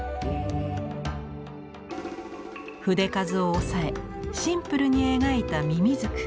筆数を抑えシンプルに描いたミミズク。